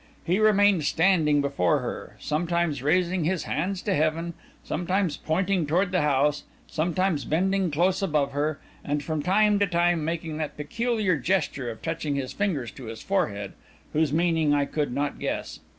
He remained standing before her, sometimes raising his hands to heaven, sometimes pointing toward the house, sometimes bending close above her, and from time to time making that peculiar gesture of touching his fingers to his forehead, whose meaning I could not guess.